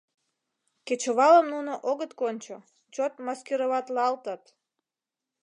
Кечывалым нуно огыт кончо, чот маскироватлалтыт.